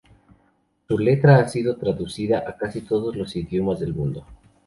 Su letra ha sido traducida a casi todos los idiomas del mundo.